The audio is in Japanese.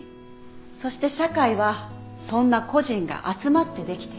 そして社会はそんな個人が集まってできている。